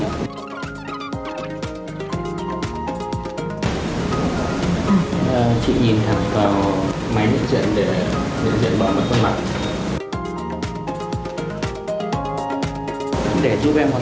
chị nhìn vào máy định dân để định dân bỏ mặt vào mặt